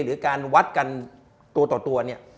หรือการวัดกันตัวตัวนี้